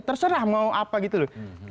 terserah mau apa gitu loh